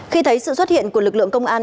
khi thấy sự xuất hiện của lực lượng công an